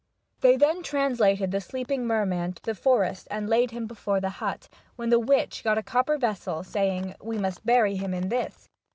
They then translated the sleeping merman to the forest and laid him before the hut, when the witch got a copper vessel, saying :" We must bury him in this."